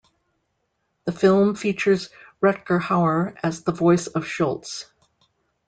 The film features Rutger Hauer as the voice of Schultz.